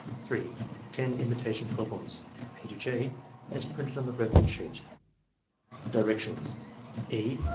(3) Ten imitation problems (a to y), as printed on the record sheet. Directions, — E.